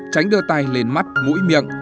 tránh đưa tay lên mắt mũi miệng